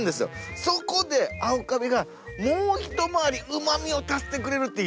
そこで青かびがもうひと回りうま味を足してくれるっていう。